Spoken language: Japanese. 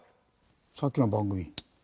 さっきの番組。